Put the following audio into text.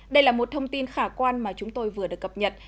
đây là một thông tin khả quan mà chúng tôi vừa được cập nhật